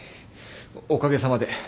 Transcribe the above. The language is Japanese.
おかげさまで。